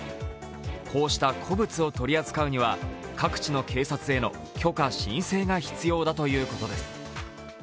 こうした古物を取り扱うには各地の警察への許可・申請が必要だということです。